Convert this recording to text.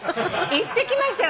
行ってきましたよ